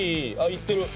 いってる！